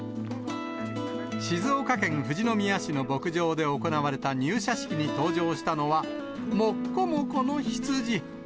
静岡県富士宮市の牧場で行われた入社式に登場したのは、もっこもこの羊。